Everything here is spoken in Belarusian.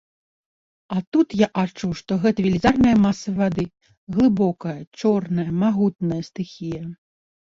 А тут я адчуў, што гэта велізарная маса вады, глыбокая, чорная, магутная стыхія.